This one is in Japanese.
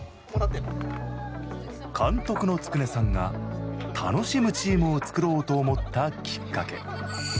監督の築根さんが楽しむチームを作ろうと思ったきっかけ。